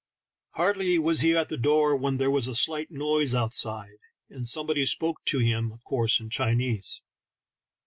Hardly was he at the door when there was a slight noise outside, and somebody spoke to him, of course in Chinese.